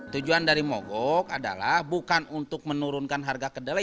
tujuan dari mogok adalah bukan untuk menurunkan harga kedelai